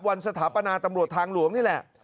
สถาปนาตำรวจทางหลวงนี่แหละ